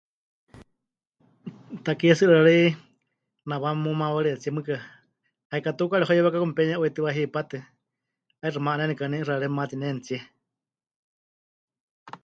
Takie tsɨ 'ixɨarari nawá mumaawaríexime tsɨ mɨɨkɨ, haikatukaari heuyewekaku mepenuye'uitɨwa hipátɨ, 'aixɨ ma'anénikɨ waníu 'ixɨarari matinenitsie.